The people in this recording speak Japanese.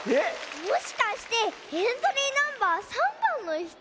もしかしてエントリーナンバー３ばんのひと？